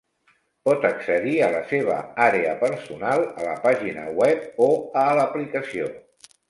Pot accedir a la seva àrea personal a la pàgina web o a l'aplicació.